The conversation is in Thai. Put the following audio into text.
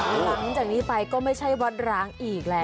หลังจากนี้ไปก็ไม่ใช่วัดร้างอีกแล้ว